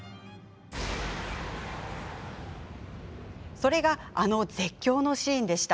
それがあの絶叫シーンでした。